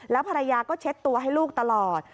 แล้วภรรยาก็เช็ดตัวให้ลูกตลอด